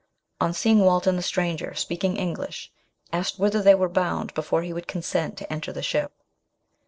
On seeing Watson the stranger, speaking English, asked whither they were bound before he would consent to enter the ship.